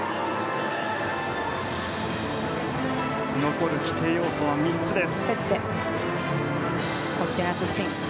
残る規定要素は３つです。